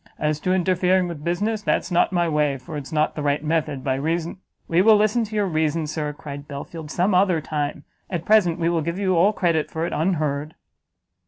As to interfering with business, that's not my way, for it's not the right method, by reason " "We will listen to your reason, Sir," cried Belfield, "some other time; at present we will give you all credit for it unheard."